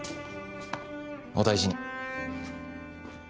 お大事に。